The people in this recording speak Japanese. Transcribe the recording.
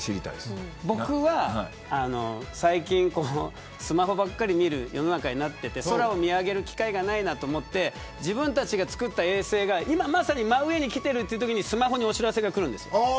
僕は最近スマホばっかり見る世の中になってて空を見上げる機会がないなと思って自分たちが作った衛星が今まさに真上に来ているというときにスマホにお知らせが来るんです。